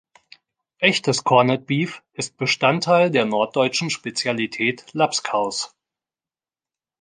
Echtes Corned Beef ist Bestandteil der norddeutschen Spezialität Labskaus.